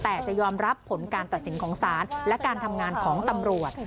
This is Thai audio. แต่จะยอมรับผลการตัดสินของศาลและการทำงานของตำรวจ